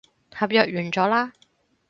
合約完咗喇